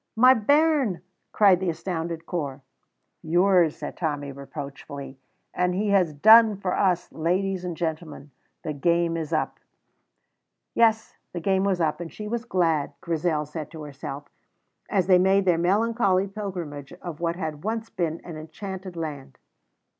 "My bairn!" cried the astounded Corp. "Yours," said Tommy, reproachfully; "and he has done for us. Ladies and gentlemen, the game is up." Yes, the game was up, and she was glad, Grizel said to herself, as they made their melancholy pilgrimage of what had once been an enchanted land.